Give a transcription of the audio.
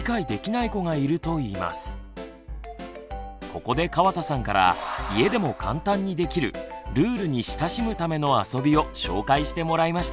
ここで川田さんから家でも簡単にできるルールに親しむための遊びを紹介してもらいました。